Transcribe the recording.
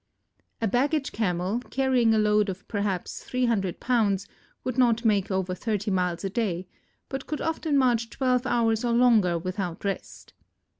A baggage Camel, carrying a load of perhaps three hundred pounds, would not make over thirty miles a day, but could often march twelve hours or longer without rest.